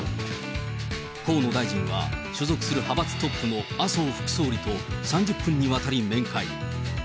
河野大臣は、所属する派閥トップの麻生副総理と３０分にわたり面会。